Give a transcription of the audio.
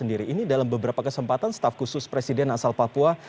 ini dalam beberapa kesempatan staf khusus presiden asal papua